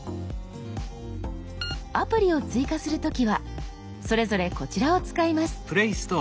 アプリを追加する時はそれぞれこちらを使います。